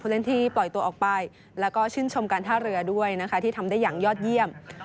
และก็ชื่นชมการท่าเรือด้วยที่ทำได้อย่างยอดเยี่ยม